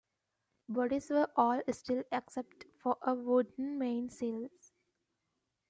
Bodies were all steel except for wooden main sills.